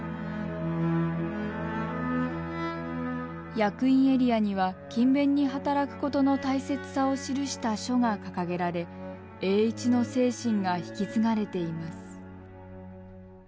役員エリアには勤勉に働くことの大切さを記した書が掲げられ栄一の精神が引き継がれています。